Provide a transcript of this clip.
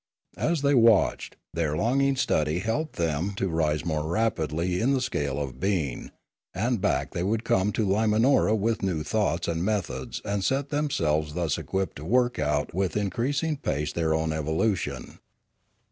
As they watched, their longing study helped them to rise more rapidly in the scale of being, and back they would come to Limanora with new thoughts and methods and set themselves thus equipped to work out with increasing pace their own evolution.